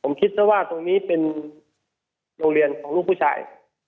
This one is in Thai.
ผมคิดซะว่าตรงนี้เป็นโรงเรียนของลูกผู้ชาย